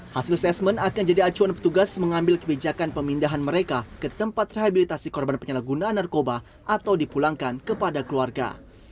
hasil asesmen akan jadi acuan petugas mengambil kebijakan pemindahan mereka ke tempat rehabilitasi korban penyalahgunaan narkoba atau dipulangkan kepada keluarga